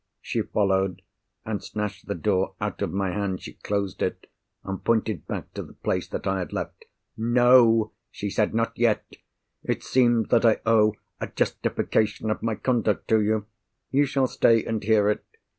She followed, and snatched the door out of my hand; she closed it, and pointed back to the place that I had left. "No!" she said. "Not yet! It seems that I owe a justification of my conduct to you. You shall stay and hear it.